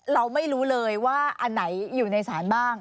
เราไม่รู้เลยว่าอันไหนอยู่ในศาลบ้าง